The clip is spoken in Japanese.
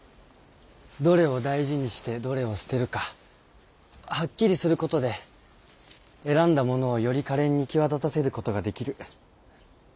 どれを大事にしてどれを捨てるかはっきりすることで選んだものをより可憐に際立たせることができる。